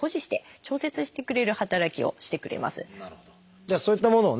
じゃあそういったものをね